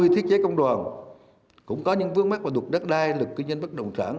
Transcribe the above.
năm mươi thiết chế công đoàn cũng có những vướng mắt vào lục đất đai lục kinh doanh bất động sản